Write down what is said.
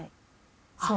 そう。